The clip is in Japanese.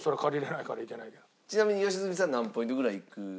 ちなみに良純さん何ポイントぐらいいく？